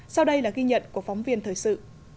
sau đây là ghi nhận của phóng viên thời sự